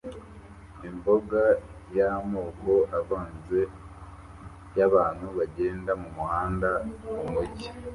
Imbaga y'amoko avanze y'abantu bagenda mumuhanda mumujyi